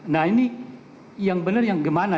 nah ini yang benar yang gimana